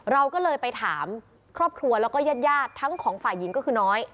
เราก็เลยไปถามครอบครัวแล้วก็ญาติทั้งของฝ่ายหญิงก็คือน้อย